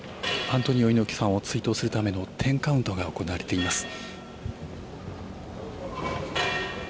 アントニオ猪木さんを追悼するための１０カウントが行われています。